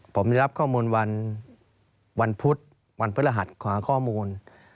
ผมได้รับข้อมูลวันพุธวันพฤหัสขวาข้อมูล